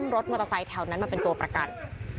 เรือกดังนั้นจริง